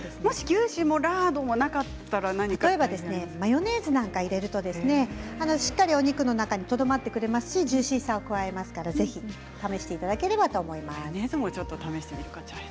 牛脂もラードもなかったらマヨネーズを入れるとしっかりと肉の中にとどまってくれますしジューシーさが加わりますので試していただければと思います。